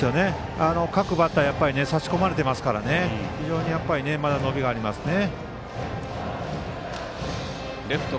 各バッター差し込まれていますから非常にまだ伸びがありますね。